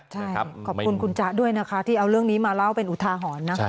ใช่ขอบคุณคุณจ๊ะด้วยนะคะที่เอาเรื่องนี้มาเล่าเป็นอุทาหรณ์นะ